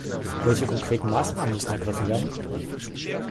Welche konkreten Maßnahmen müssen ergriffen werden?